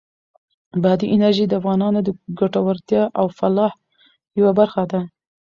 بادي انرژي د افغانانو د ګټورتیا او فلاح یوه برخه ده.